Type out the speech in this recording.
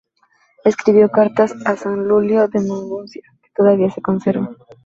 Escribió cartas a San Lulio de Maguncia que todavía se conservan.